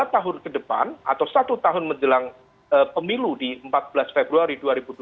lima tahun ke depan atau satu tahun menjelang pemilu di empat belas februari dua ribu dua puluh